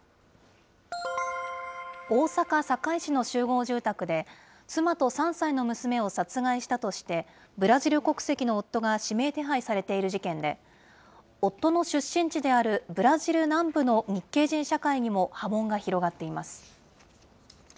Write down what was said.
大阪・堺市の集合住宅で、妻と３歳の娘を殺害したとして、ブラジル国籍の夫が指名手配されている事件で、夫の出身地であるブラジル南部の日系人社会にも波紋が広がっています。